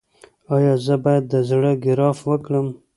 ایا زه باید د زړه ګراف وکړم؟